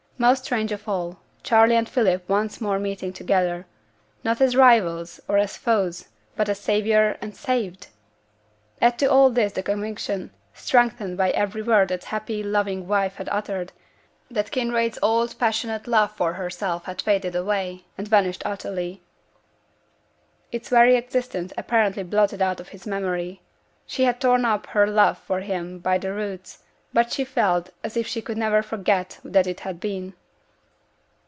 Most strange of all, Charley and Philip once more meeting together, not as rivals or as foes, but as saviour and saved! Add to all this the conviction, strengthened by every word that happy, loving wife had uttered, that Kinraid's old, passionate love for herself had faded away and vanished utterly: its very existence apparently blotted out of his memory. She had torn up her love for him by the roots, but she felt as if she could never forget that it had been.